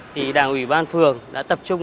thì đảng ủy ban phường đã tập trung